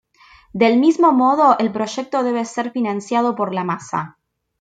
Del mismo modo, el proyecto debe ser financiado por "la masa".